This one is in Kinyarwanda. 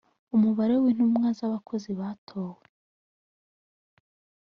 umubare w’ intumwa z’ abakozi batowe